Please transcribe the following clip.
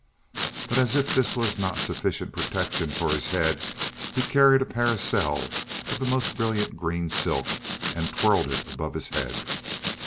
But as if this was not sufficient protection for his head, he carried a parasol of the most brilliant green silk and twirled it above his head.